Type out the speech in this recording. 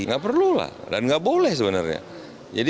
nggak perlu lah dan nggak boleh sebenarnya